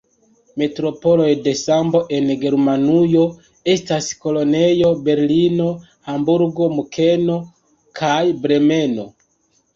Metropoloj de sambo en Germanujo estas Kolonjo, Berlino, Hamburgo, Munkeno kaj Bremeno.